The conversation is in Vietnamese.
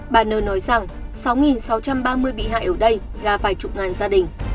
bà nơ nói rằng sáu sáu trăm ba mươi bị hại ở đây là vài chục ngàn gia đình